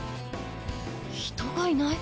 人がいない？